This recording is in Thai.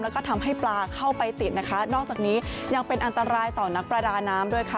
แล้วก็ทำให้ปลาเข้าไปติดนะคะนอกจากนี้ยังเป็นอันตรายต่อนักประดาน้ำด้วยค่ะ